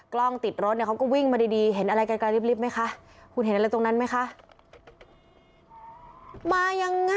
ไปดูอีกคลิปนึงนะครับเขาบอกว่า